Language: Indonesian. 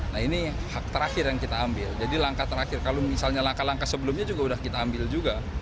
nah ini hak terakhir yang kita ambil jadi langkah terakhir kalau misalnya langkah langkah sebelumnya juga sudah kita ambil juga